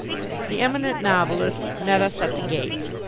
The Eminent Novelist met us at the gate.